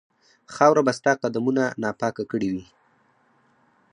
خاوره به ستا قدمونو ناپاکه کړې وي.